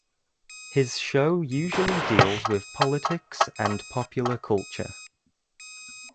His show usually deals with politics and popular culture.